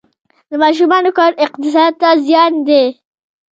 د ماشومانو کار اقتصاد ته زیان دی؟